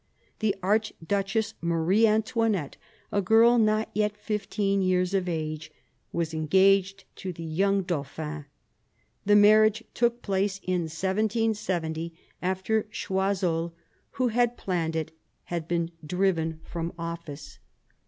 The Archduchess Marie Antoinette, a girl not yet fifteen years of age, was engaged to the young dauphin. The marriage took place in 1770, after Choiseul, who had planned it, had been driven from office.